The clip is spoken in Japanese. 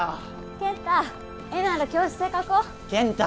健太絵なら教室で描こう健太！